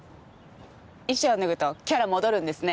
衣装脱ぐとキャラ戻るんですね。